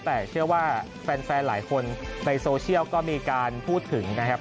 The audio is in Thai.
แต่เชื่อว่าแฟนหลายคนในโซเชียลก็มีการพูดถึงนะครับ